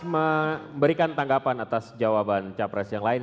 memberikan tanggapan atas jawaban capres yang lain